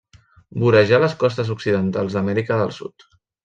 Vorejar les costes Occidentals d'Amèrica del Sud.